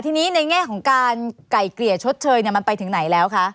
ทีนี้ในแง่ของการไก่เกลี่ยชดเชยมันไปถึงไหนแล้วคะ